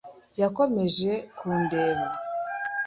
Yakomeje kundeba.